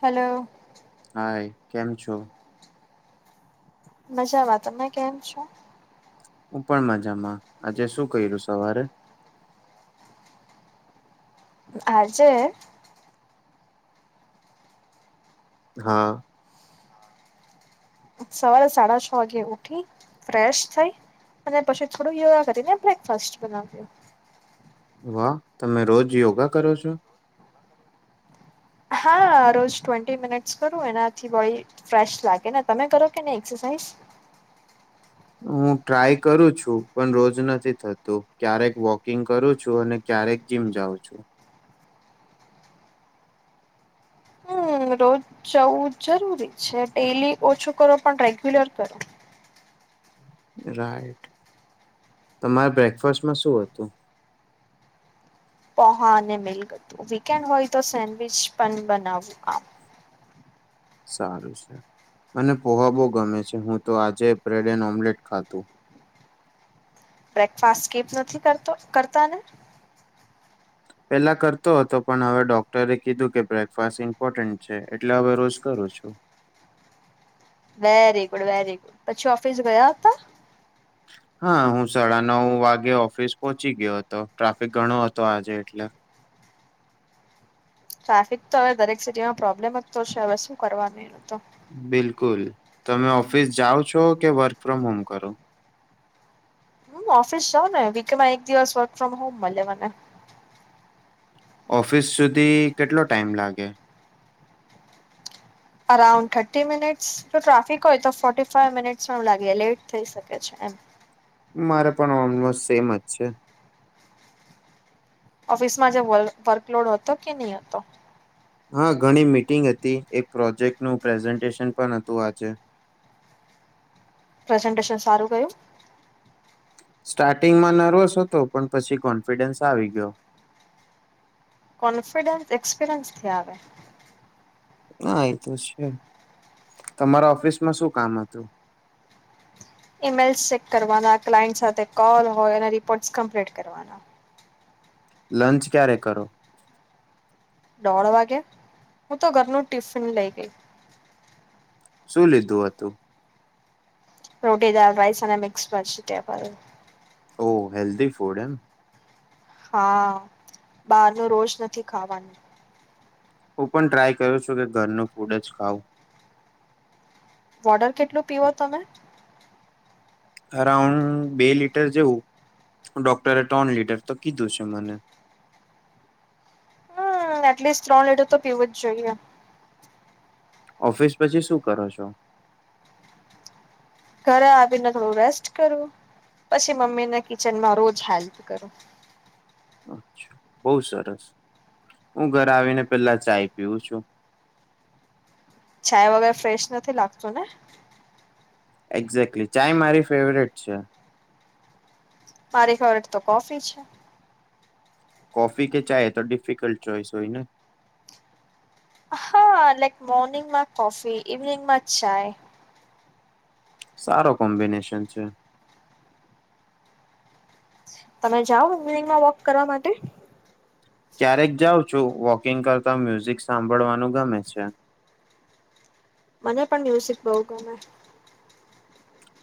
Hello hi કેમ છો? મજામાં. તમે કેમ છો? હું પણ મજામાં. આજે શું કર્યું સવારે? આજે? હા સવારે સાડા છ વાગે ઉઠી, ફ્રેશ થઈ. અને પછી થોડું યોગા કરીને, બ્રેકફાસ્ટ બનાવ્યું. વાહ તમે રોજ યોગા કરો છો? હા રોજ ટ્વેન્ટી મિનિટ્સ કરું એનાથી ફ્રેશ લાગે ને તમે કરો કે નઈ એક્સરસાઇઝ? હું ટ્રાય કરું છું પણ રોજ નથી થતું ક્યારેક વોકિંગ કરું છું અને ક્યારેક જીમ જાઉં છું. હમ રોજ જવું જરૂરી છે ડેલી ઓછું કરો પણ રેગ્યુલર કરો. રાઈટ તમારે બ્રેકફાસ્ટમાં શું હતું? પોહા અને મિલ્ક હતું વીકેન્ડ હોય તો સેન્ડવીચ પણ બનાવવું આમ સારું છે મને પોહા બહ ગમે છે હું તો આજે બ્રેડ એન્ડ ઓમ્લેટ ખાતું બ્રેકફાસ્ટ કે નથી કરતો કરતા ને પેલા કરતો હતો પણ હવે ડોક્ટરે કીધું કે બ્રેકફાસ્ટ ઇમ્પોર્ટન્ટ છે એટલે હવે રોજ કરું છું. વેરી ગુડ વેરી ગુડ પછી ઓફિસ ગયા હતા. હા હું સાડા નવ વાગે ઓફિસ પોહોંચી ગયો હતો ટ્રાફિક ઘણો હતો આજે એટલે, ટ્રાફિક તો હવે દરેક સિટીમાં પ્રોબ્લેમ જ તો હવે શું કરવાનું એનું તો બિલકુલ તમે ઓફિસ જાઓ છો કે વર્ક ફ્રોમ હોમ કરો. હમ ઓફિસ જાવને વીકેમાં એક દિવસ વર્ક ફ્રોમ હોમ મળે મને ઓફિસ સુધી કેટલો ટાઈમ લાગે. અરાઉન્ડ થર્ટી મિનિટ જો ટ્રાફિક હોય તો ફોર્ટી ફાઈવ મિનિટસ પણ લાગી લેટ થઈ શકે. છે એમ મારે પણ ઓલમોસ્ટ સેમ જ છે. ઓફિસમાં જે વર્કલોડ હતો કે નહી હતો. હા ઘણી મીટિંગ હતી એક પ્રોજેક્ટનું પ્રેઝન્ટેશન પણ હતું આજે પ્રેઝન્ટેશન સારું ગયું. સ્ટાર્ટિંગમાં નર્વસ હતો પણ પછી કોન્ફિડન્સ આવી ગયો. કોન્ફિડન્સ એક્સપિરિયન્સથી આવે. ના એ તો છે તમારા ઓફિસ માં શું કામ હતું. ઈમેલ્સ ચેક કરવાના ક્લાયન્ટ સાથે કોલ હોય અને રિપોર્ટ કમ્પ્લીટ કરવાના લંચ ક્યારે કરો. દોઢ વાગે હું તો ઘરનું ટિફિન લઈ ગઈ, શું લીધું હતું. રોટી, દાળ, રાઈસ અને મિક્સ વેજીટેબલ ઓ હેલ્ધી ફૂડ એમ હા બારનુ રોજ નથી ખાવાનું હું પણ ટ્રાય કર છું કે ઘરનું ફૂડ જ ખાઉ વોડર કેટલું પીવો તમે અરાઉન્ડ બે લીટર જેવું ડોક્ટરે ત્રણ લીટર તો કીધું છે મને હમ્મ એટલીસ્ટ ત્રણ લીટર તો પીવું જ જોઈએ. ઓફિસ પછી શું કરો છો? ઘરે આવીને થોડું રેસ્ટ કરું. પછી મમ્મીને કિચનમાં રોજ હેલ્પ કરું. અચ્છા બહુ સરસ. હું ઘર આવીને પેલા ચાય પીવું છું. ચાય વગર ફ્રેશ નથી લાગતું ને એક્ઝેકલી ચાય મારી ફેવરેટ છે. મારી ફેવરેટ તો કોફી છે. કોફી કે ચાય તો ડિફિકલ્ટ ચોઈસ હોય ને? હા લાઈક મોર્નિંગમાં કોફી, ઇવનિંગ માં ચાય. સારો કોમ્બિનેશન છે. તમે જાઓ ઇવનિંગમાં વોક કરવા માટે? ક્યારેક જાઉ છું. વોકિંગ કરતા મ્યુઝિક સાંભળવાનું ગમે છે. મને પણ મ્યુઝિક બહુ ગમે.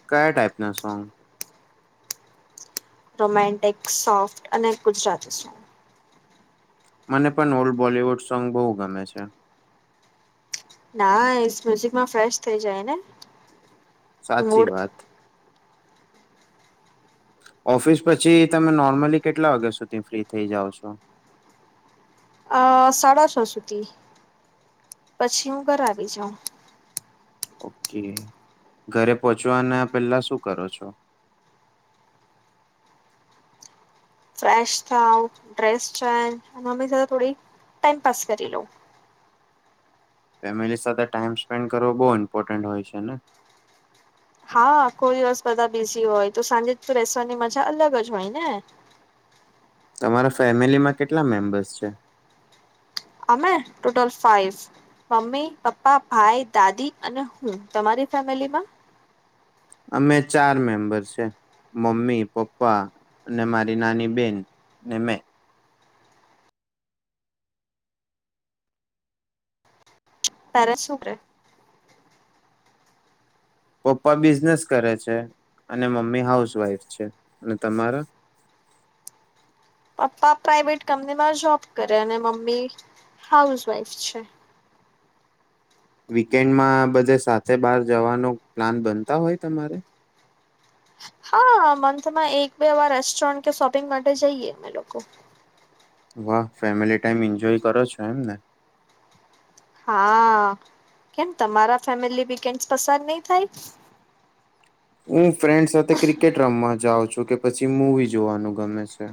કયા ટાઈપના સોંગ? રોમેન્ટિક સોફ્ટ, અને ગુજરાતી સોંગ. મને પણ ઓલ્ડ બોલવુડ સોંગ બહુ ગમે છે. ના એ મ્યુઝિકમાં ફ્રેશ થઈ જાય ને? સાચી મૂડ વાત. ઓફિસ પછી, તમે નોર્મલી કેટલા વાગ્યા સુધી ફ્રી થઈ જાઓ છો? અ સાડા છ સુધી. પછી હું ઘર આવી જાઉં. ઓકે ઘરે પહોંચવાના પહેલા શું કરો છો? ફ્રેશ થાવ. Dress change. અને મમ્મી સાથે થોડી ટાઈમ પાસ કરી લોઉ. ફેમિલી સાથે ટાઈમ સ્પેન્ડ કરવો બહુ ઇમ્પોર્ટન્ટ હોય છે ને? હા! આખો દિવસ બધા બીઝી હોય તો, સાંજે જ તો રસવાની મજા અલગ જ હોય ને? તમારા ફેમિલી માં કેટલા મેમ્બર્સ છે? અમે? ટોટલ ફાઇવ મમ્મી, પપ્પા, ભાઈ, દાદી અને હું. તમારી ફેમિલી માં? અમે ચાર મેમ્બર છે. મમ્મી, પપ્પા અને મારી નાની બેન અને મેં. પેરેન્ટ્સ શું કરે? પપ્પા બિઝનેસ કરે છે. અને મમ્મી હાઉસવાઈફ છે. અને તમારો? પપ્પા પ્રાાઈવેટ કંપનીમાં જોબ કરે. અને મમ્મી હાઉસવાઈફ છે. વીકેન્ડમાં બધે સાથે બહાર જવાનો પ્લાન બનતા હોય તમારે? હા! મંથમાં એક બે એવા રેસ્ટોરન્ટ કે શોપિંગ માટે જઈએ અમે લોકો. વાહ! ફેમિલી ટાઈમ એન્જોય કરો છો. એમ ને? હા! કેમ તમારા ફેમિલી વીકેન્ડ પસાર નહી થાય? હું ફ્રેન્ડ સાથે ક્રિકેટ રમવા જાઉં છું. કે પછી મૂવી જોવાનું ગમે છે.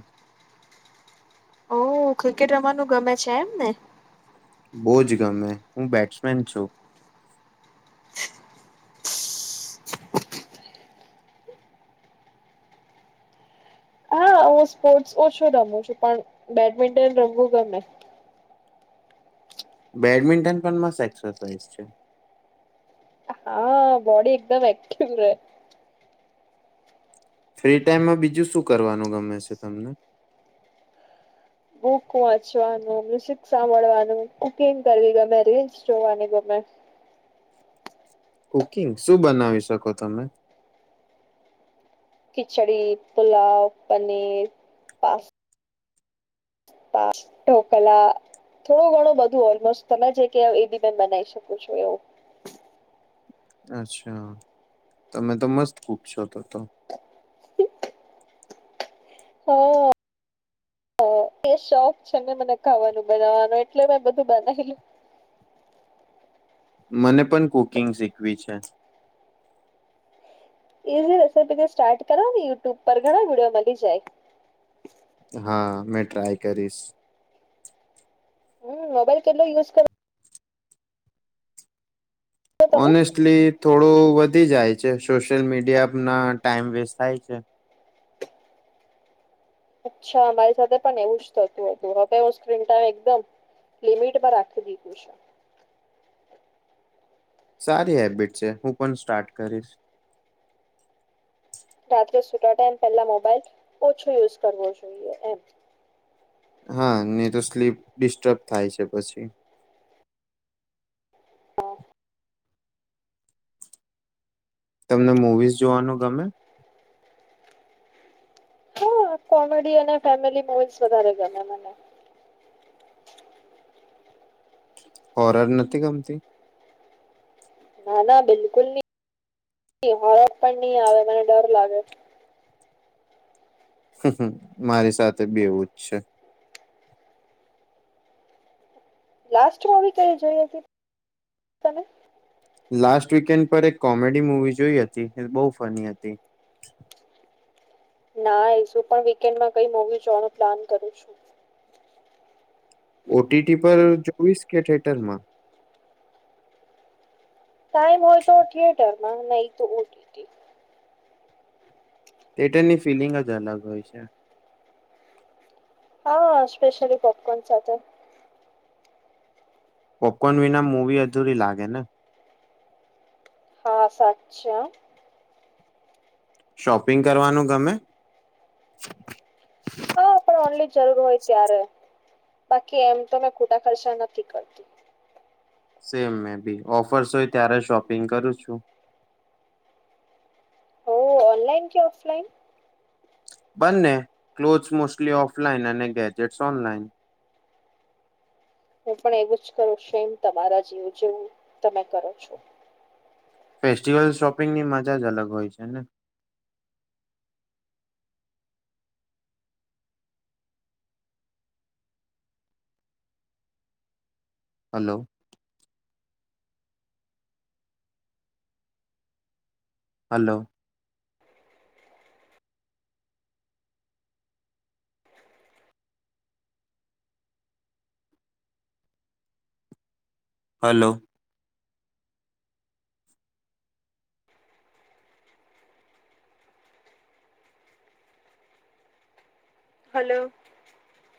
ઓ ક્રિકેટ રમવાનું ગમે છે એમ ને. બહુ જ ગમે. હું બેટ્સમેન છું. હ હું સ્પોર્ટ્સ ઓછું રમું છું. પણ બેડમિન્ટન રમવું ગમે. બેડમિન્ટન પણ મસ્ત એક્સરસાઇઝ છે. હા! બોડી એકદમ એક્ટિવ રહે. ફ્રી ટાઈમમાં, બીજું શું કરવાનું ગમે છે તમને? બુક વાંચવાનું, મ્યુઝિક સાંભળવાનું, કુકિંગ કરવી ગમે, રીલ્સ જોવાની ગમે. કુકિંગ. શું બનાવી શકો તમે? ખિચડી, પુલાવ, પનીર, પા પાસતા ઢોકલા. થોડું ઘણું બધું ઓલમોસ્ટ તમે જે કે એ બી મે બનાવી શકું છું એવું. અચ્છા! તમે તો મસ્ત ફૂક છો તો તો. [inaudible] હા અ એ શોખ છે ને મને ખાવાનું બનાવવાનું એટલે મેં બધું બનાવીલું મને પણ કુકિંગ શીખવી છે ઈઝી રેસીપી સ્ટાર્ટ કરો ને યુટ્યુબ પર ઘણા વિડીયો મળી જાય હા મેં ટ્રાય કરીશ હમ મોબાઈલ કેટલો યુઝ કર ઓનેસ્ટલી થોડું વધી જાય છે સોશિયલ મીડિયા ના ટાઈમ વેસ્ટ થાય છે અચ્છા મારી સાથે પણ એવું જ થતું હતું હવે હું સ્ક્રીન ટાઇમ એકદમ લિમિટમાં રાખી દીધુ છે સારી હેબિટ છે હું પણ સ્ટાર્ટ કરીશ રાત્રે સૂતા ટાઈમ પેલા મોબાઈલ ઓછો યુઝ કરવો જોઈએ એમ હા નહી તો સ્લીપ ડિસ્ટર્બ થાય છે પછી હા તમને મૂવીઝ જોવાનું ગમે હા કોમેડી અને ફેમિલી મુવીસ વધારે ગમે મને હોરર નથી ગમતી ના ના બિલકુલ નહી હોરર પણ નહી આવે મને ડર લાગે મારી સાથે બી એવું જ છે લાસ્ટ મૂવી કઇ જોઈ હતી તમે લાસ્ટ વીકેન્ડ પર એક કોમેડી મવી જોઈ હતી એ બહુ ફની હતી ના એ શું પણ વીકેન્ડમાં કઈ મોવી જોવાનું પ્લાન કરું છું ઓટીટી પર જોઇશ કે થીયેટર માં ટાઈમ હોય તો થિયેટર માં નહી તો ઓટીટી થીએટરની ફિલિંગ જ અલગ હોય છે હા સ્પેશલી પોપકોર્ન સાથે પોપકોન વિના મુવી અધુરી લાગે ને હા સાચે હા શોપિંગ કરવાનું ગમે હા પણ ઓનલી જરૂર હોય ત્યારે બાકી એમ તો મેં ખોટા ખર્ચા નથી કરતી સેમ મે બી ઓફર્સ હોય ત્યારે શોપિંગ કરું છું હો ઓનલાઈન કે ઓફલાઈન બંને ક્લોથસ મોસ્ટલી ઓફલાઈન અને ગેજેટ્સ ઓનલાઈન હું પણ એવું જ કરું સેમ તમારા જીવ જેવું તમે કરો છો ફેસ્ટિવલ શોપિંગની મજા જ અલગ હોય છે ને હલો હલો હલો હલો